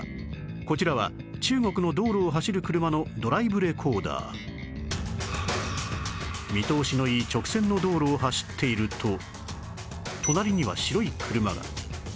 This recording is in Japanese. こちらは中国の道路を走る車のドライブレコーダー見通しのいい直線の道路を走っていると隣には白い車が